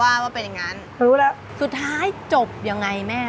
ว่าว่าเป็นอย่างนั้นรู้แล้วสุดท้ายจบยังไงแม่